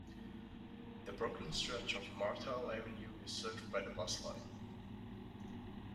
The Brooklyn stretch of Myrtle Avenue is served by the bus line.